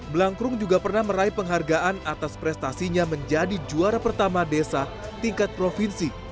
blangkrung juga pernah meraih penghargaan atas prestasinya menjadi juara pertama desa tingkat provinsi